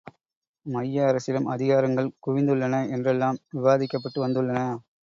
மைய அரசிடம் அதிகாரங்கள் குவிந்துள்ளன என்றெல்லாம் விவாதிக்கப்பட்டு வந்துள்ளன.